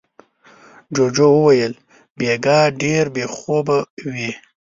جوجو وويل: بېګا ډېر بې خوبه وې.